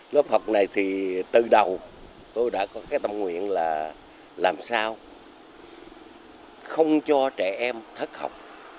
lớp học này thì từ đầu tôi đã có cái tâm nguyện là làm sao không cho trẻ em thất học